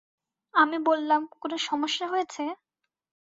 আমি বললাম, কোনো সমস্যা হয়েছে?